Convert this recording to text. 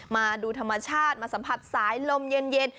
มาดูธรรมชาติมาสัมผัสสายลมเย็น